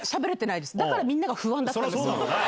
だからみんなが不安だったんです。